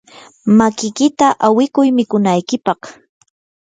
makiykita awikuy mikunaykipaq.